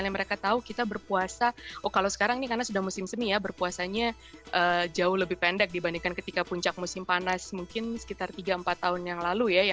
mereka tahu kita berpuasa oh kalau sekarang ini karena sudah musim semi ya berpuasanya jauh lebih pendek dibandingkan ketika puncak musim panas mungkin sekitar tiga empat tahun yang lalu ya